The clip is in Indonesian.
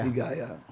kami tiga ya